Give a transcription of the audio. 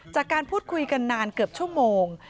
จากการพูดคุยกันนานเกือบชั่วโมง